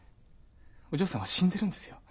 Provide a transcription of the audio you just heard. お嬢さんは死んでるんですよ。